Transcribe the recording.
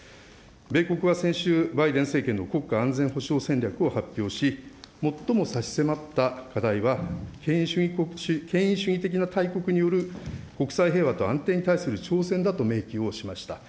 米国は先週、バイデン政権の国家安全保障戦略を発表し、最も差し迫った課題は権威主義的な大国による国際平和と安定に対する挑戦だと明記をしました。